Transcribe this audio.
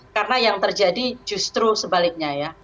karena yang terjadi justru sebaliknya ya